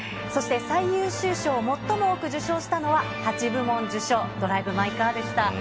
そして最優秀賞、最も多く受賞したのは、８部門受賞、ドライブ・マイ・カーでした。